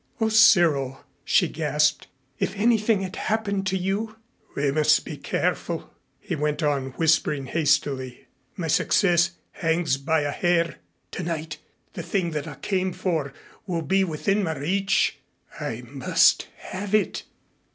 "Oh, Cyril," she gasped, "if anything had happened to you " "We must be careful," he went on, whispering hastily. "My success hangs by a hair. Tonight the thing that I came for will be within my reach. I must have it."